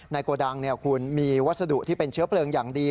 โกดังคุณมีวัสดุที่เป็นเชื้อเพลิงอย่างดี